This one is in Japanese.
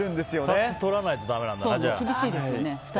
２つ取らないとだめなんだ、じゃあ。